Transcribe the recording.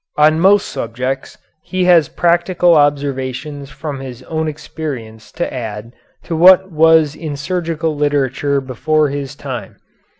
On most subjects he has practical observations from his own experience to add to what was in surgical literature before his time.